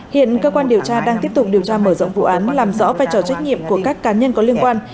hiện cơ quan điều tra đang tiếp tục điều tra mở rộng vụ án làm rõ vai trò trách nhiệm của các cá nhân có liên quan